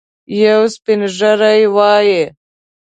یو سپین ږیری وايي.